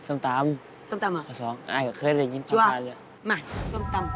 มาส้มตำก็ส้มตำ